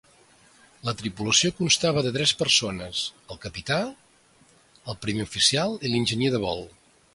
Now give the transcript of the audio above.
La tripulació constava de tres persones: el capità, el primer oficial i l'enginyer de vol.